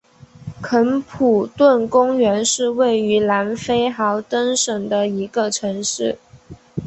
肯普顿公园是位于南非豪登省的一个城市。